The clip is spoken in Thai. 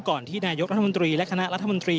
ก่อนที่นายกรัฐมนตรีและคณะรัฐมนตรี